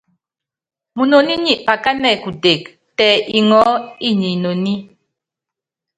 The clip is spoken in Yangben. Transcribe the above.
Munoní nyi pakánɛ kutek, tɛ iŋɔɔ́ inyi inoní.